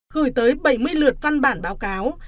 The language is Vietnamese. gửi tới bảy mươi lượt văn bản báo cáo